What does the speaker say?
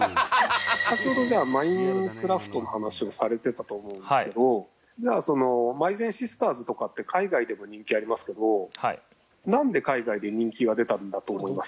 先ほどじゃあ『Ｍｉｎｅｃｒａｆｔ』の話をされてたと思うんですけどじゃあそのまいぜんシスターズとかって海外でも人気ありますけどなんで海外で人気が出たんだと思います？